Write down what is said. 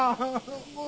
もう。